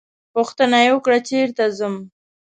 پوښتنه یې وکړه چېرته ځم.